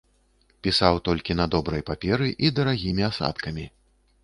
Пісаў толькі на добрай паперы і дарагімі асадкамі.